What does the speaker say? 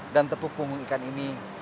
dan tepuk punggung ikan ini